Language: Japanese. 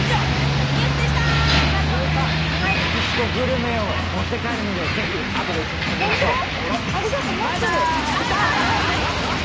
栞里さん、このメキシコグルメを持って帰るのであとで一緒に食べましょう。